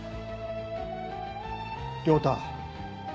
良太。